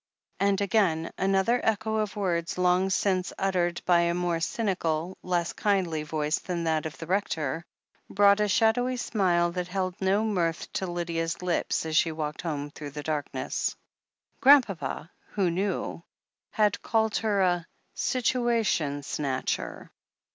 And again, another echo of words long since uttered by a more cynical, less kindly voice than that of the Rector, brought a shadowy smile that held no mirth to Lydia's lips as she walked home through the darkness. Grandpapa, who knew, had called her "a situation snatcher."